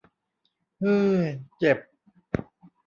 ฮือ เจ็บ